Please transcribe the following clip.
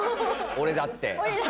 俺だって。